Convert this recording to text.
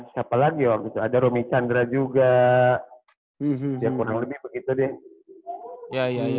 siapa lagi waktu itu ada romy chandra juga ya kurang lebih begitu deh